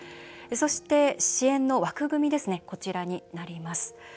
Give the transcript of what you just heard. そして、支援の枠組みはこちらになります。